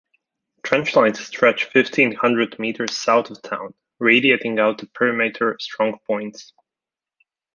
Trenchlines stretched fifteen hundred meters south of town, radiating out to perimeter strong points.